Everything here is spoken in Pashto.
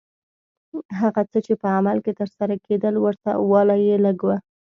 هغه څه چې په عمل کې ترسره کېدل ورته والی یې لږ و.